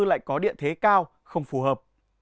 lại có điện thế cao không phù hợp